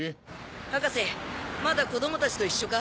博士まだ子供たちと一緒か？